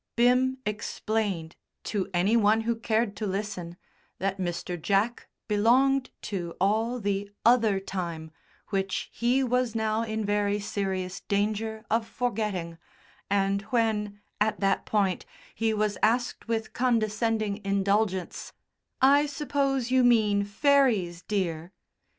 Bim explained, to any one who cared to listen, that Mr. Jack belonged to all the Other Time which he was now in very serious danger of forgetting, and when, at that point, he was asked with condescending indulgence, "I suppose you mean fairies, dear!"